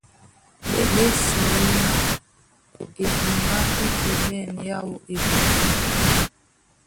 Ɓé sɔí ná ebuŋgá pɛ́ é ɓɛ̂n yáō eɓoló.